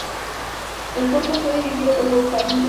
El corto fue dirigido por Bob Clampett.